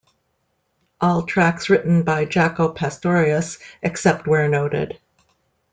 All tracks written by Jaco Pastorius except where noted.